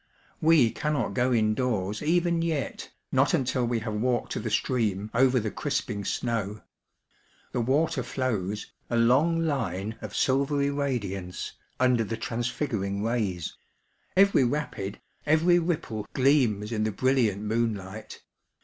We cannot go indoors even yet, not until we have walked to the stream over the crisping snow. The water flows, a long line of silvery radiance, under the transfiguring rays ; every rapid, every ripple gleams in the brilliant moonlight.